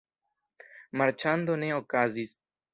Marĉando ne okazis.